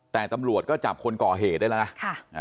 แต่ตำรวจก็จับคนก่อเหตุได้แล้วนะ